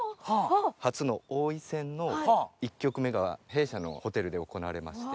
初の王位戦の１局目が弊社のホテルで行われまして。